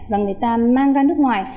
và người ta mang ra nước ngoài